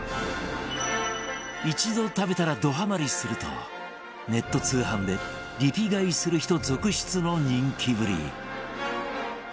一度食べたらどハマりするとネット通販でリピ買いする人続出の人気ぶり